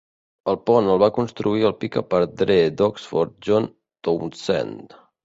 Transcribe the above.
El pont el va construir el picapedrer d'Oxford John Townesend.